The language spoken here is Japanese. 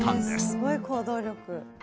すごい行動力！